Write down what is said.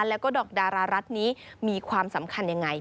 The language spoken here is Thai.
แล้วก็ดอกดารารัฐนี้มีความสำคัญยังไง